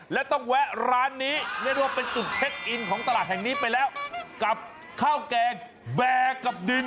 และต้องแวะร้านนี้เรียกได้ว่าเป็นจุดเช็คอินของตลาดแห่งนี้ไปแล้วกับข้าวแกงแบร์กับดิน